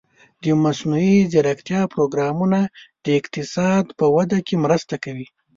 د مصنوعي ځیرکتیا پروګرامونه د اقتصاد په وده کې مرسته کوي.